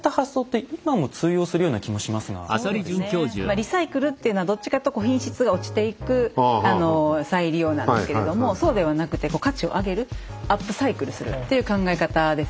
リサイクルっていうのはどっちかというと品質が落ちていく再利用なんですけれどもそうではなくても価値を上げるアップサイクルするっていう考え方ですよね。